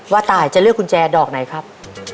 ตายจะเลือกกุญแจดอกไหนครับ